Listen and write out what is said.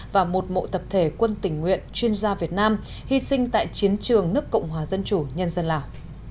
và một mộ tập thể quân tình nguyện chuyên gia việt nam hy sinh tại chiến trường nước cộng hòa dân chủ nhân dân lào